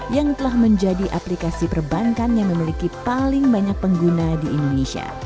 yang telah menjadi aplikasi perbankan yang memiliki paling banyak pengguna di indonesia